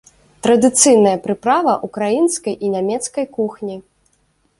Традыцыйная прыправа ўкраінскай і нямецкай кухні.